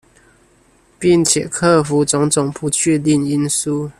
並且克服種種不確定因素